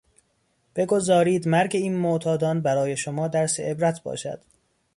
بگذارید مرگ این معتادان برای شما درس عبرت باشد.